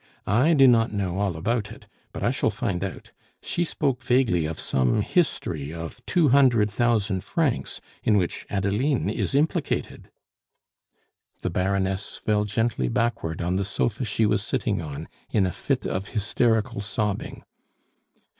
"I do not know all about it, but I shall find out. She spoke vaguely of some history of two hundred thousand francs in which Adeline is implicated." The Baroness fell gently backward on the sofa she was sitting on in a fit of hysterical sobbing.